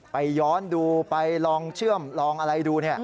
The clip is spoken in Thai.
ย้อนดูไปลองเชื่อมลองอะไรดู